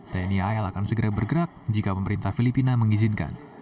tni al akan segera bergerak jika pemerintah filipina mengizinkan